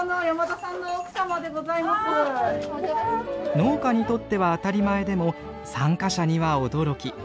農家にとっては当たり前でも参加者には驚き。